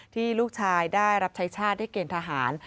ที่ลูกชายได้รับใช้ชาติได้เกณฑหาร